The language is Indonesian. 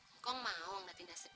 engkong mau gak tindas sedih